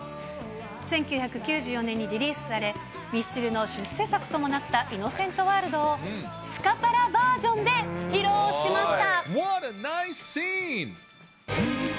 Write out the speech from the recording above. １９９４年にリリースされ、ミスチルの出世作ともなったイノセントワールドを、スカパラバージョンで披露しました。